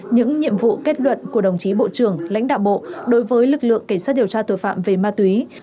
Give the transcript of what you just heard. những nhiệm vụ kết luận của đồng chí bộ trưởng lãnh đạo bộ đối với lực lượng cảnh sát điều tra tội phạm về ma túy